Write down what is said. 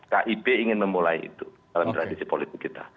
kib ingin memulai itu dalam tradisi politik kita